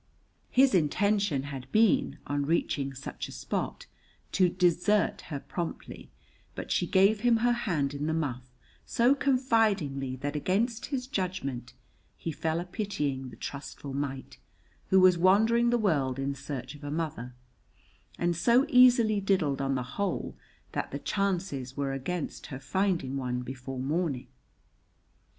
His intention had been, on reaching such a spot, to desert her promptly, but she gave him her hand in the muff so confidingly that against his judgment he fell a pitying the trustful mite who was wandering the world in search of a mother, and so easily diddled on the whole that the chances were against her finding one before morning.